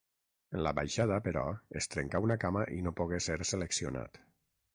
En la baixada, però, es trencà una cama i no pogué ser seleccionat.